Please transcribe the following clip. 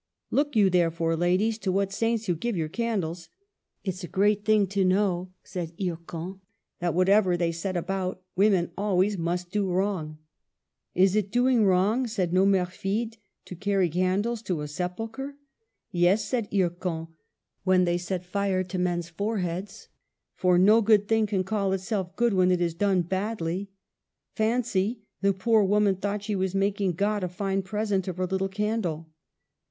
" Look you, therefore, ladies, to what saints you give your candles." ■" 'T is a great thing to know," said Hircan, "that, whatever they set about, women always must do wrong." " Is it doing wrong," said Nomerfide, " to carry candles to a sepulchre ?" "Yes," said Hircan, "when they set fire to men's foreheads ; for no good thing can call itself good when it is done badly. Fancy ! the poor woman thought she was making God a fine present of her little candle